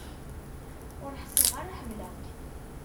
Ur ḥṣiɣ ara ḥemleɣ-k.